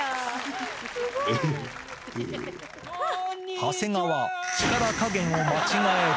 長谷川、力加減を間違える。